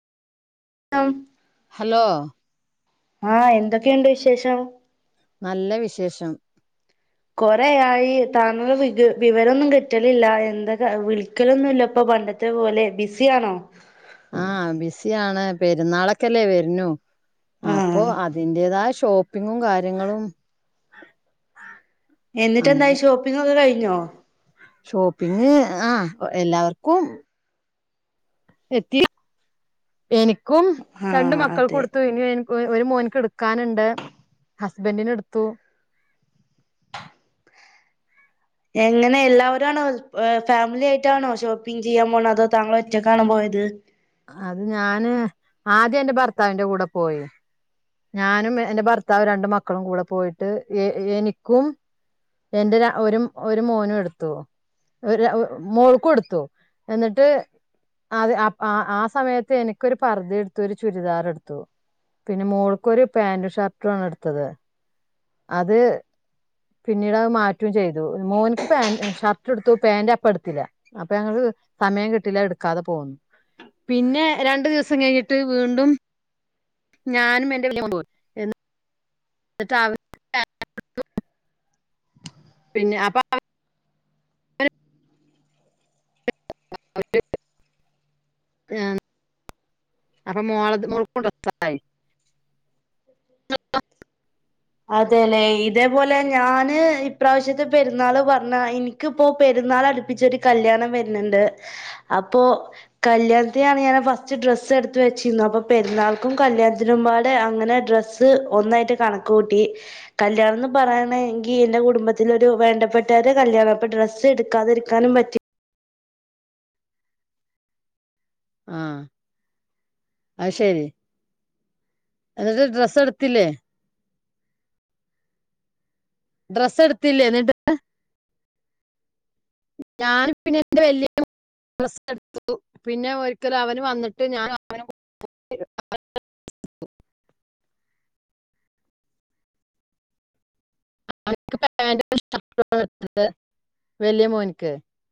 [unintelligible] Hello ആഹ് എന്തൊക്കെയുണ്ട് വിശേഷം നല്ല വിശേഷം കൊറെയായി താങ്കളെ വിക വിവരൊന്നും കിട്ടണ്ല്ല എന്തൊക്കെ വിളി ക്കലൊന്നുംല്ല ഇപ്പൊ പണ്ടത്തെ പോലെ ബിസിയാണോ ആ ബിസിയാണ് പെരുന്നാളൊക്കല്ലേ വര്നു ആഹ് അപ്പൊ അതിന്റെതായ ഷോപ്പിങ്ങും കാര്യങ്ങളും എന്നിട്ടെന്തായി ഷോപ്പിംഗൊക്കെ കഴിഞ്ഞോ ഷോപ്പിംഗ് ആഹ് ഒ എല്ലാവർക്കും എത്തി എനിക്കും രണ്ട് ആഹ് മക്കൾക്കും അതെ എടുത്ത് ഇനി എനി ഒര് ഒരു മോന്ക്ക് എടുക്കാന്ണ്ട് ഹസ്ബൻറിനിടുത്തു എങ്ങനെ എല്ലാവരും ആണോ ഏ ഫാമിലി ആയിട്ടാണോ ഷോപ്പിംഗ് ചെയ്യാൻ പോണ അതോ താങ്കളൊറ്റക്കാണോ പോയത് അത് ഞാന് ആദ്യന്റെ ഭർത്താവിന്റെ കൂടെ പോയി ഞാനും എ എന്റെ ഭർത്താവും രണ്ട് മക്കളും കൂടെ പോയിട്ട് എ എനിക്കും എന്റെ ര ഒരു ഒരു മോനും എടുത്തു ഒരു ര ഒ മോൾക്കും എടുത്തു എന്നിട്ട് അത് അ അ ആ സമയത്ത് എനിക്കൊരു പർദ എടുത്തു ഒരു ചുരിദാറെടുത്തു പിന്നെ മോൾക്കൊരു പാൻറും ഷർട്ടും ആണ് എടുത്തത് അത് പിന്നീടയ് മാറ്റും ചെയ്തു മോൻക്ക് പാൻറ് ഷർട്ട് എടുത്തു പാന്റ് അപ്പ എടുത്തില്ല അപ്പൊ ഞങ്ങള് സമയം കിട്ടീല്ല എടുക്കാതെ പോന്നു പിന്നെ രണ്ടു ദിവസം കഴിഞ്ഞിട്ട് വീണ്ടും ഞാനും എന്റെ വെല്യ മോനും പോയി എന്നിട്ടാവ [unintelligible] പിന്നെ അപ്പ അവ [unintelligible] ആ അപ്പൊ മോളത് മോൾക്കുണ്ടായി [unintelligible] അതെല്ലെ ഇതേപോലെ ഞാന് ഇപ്രാവശ്യത്തെ പെരുന്നാള് പറഞ്ഞ എനി ക്ക് ഇപ്പോപെരുന്നാൾ അടുപ്പിച്ചൊരു കല്യാണം വരുന്നുണ്ട് അപ്പോ കല്യാണത്തിെയാണ് ഞാൻ ഫസ്റ്റ് ഡ്രസ്സ് എടുത്ത് വെച്ചിരുന്നു അപ്പൊ പെരുന്നാൾക്കും കല്യാത്തിനുംപാട് അങ്ങനെ ഡ്രസ് ഡ്രസ്സ്‌ ഒന്നായിട്ട് കണക്ക് കൂട്ടി കല്യാണം എന്ന് പറയാണെങ്കി എന്റെ കുടുംബത്തില ഒരു വേണ്ടപ്പെട്ടവര കല്യാണം അപ്പൊ ഡ്രസ്സ് എടുക്കാതിരിക്കാനും പറ്റി ആഹ് അത് ശരി എന്നിട്ട് ഡ്രസ് എട്ത്തിലെ? ഡ്രസ്സ് എടുത്തില്ലേ എന്നിട്ട്? ഞാൻ പിന്നെന്റെ വല്യ ഡ്രസ്സ് എടുത്തു പിന്നെ ഒരിക്കല് അവന് വന്നിട്ട് ഞാൻ അവന് [unintelligible] ഡിത്ത്ത് വലിയ മോനിക്ക്